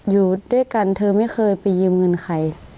อยู่ด้วยกันเธอไม่เคยไปยืมเงินใคร